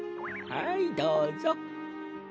はいどうぞ。